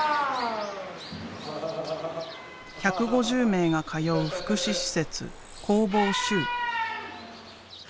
１５０名が通う福祉施設「工房集」。